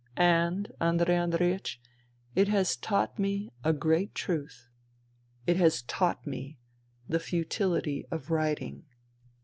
And, Andrei Andreiech, it has taught me a great truth. It has taught me the futihty of writing."